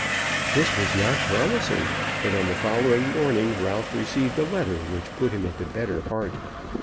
This was not promising, but on the following morning Ralph received a letter which put him into better heart.